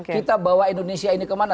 kita bawa indonesia ini kemana